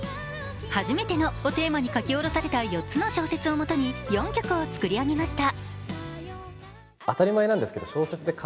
「はじめての」をテーマに書き下ろされた４つの小説をもとに４曲を作り上げました。